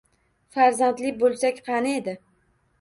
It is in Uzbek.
Farzandli bo`lsak, qani edi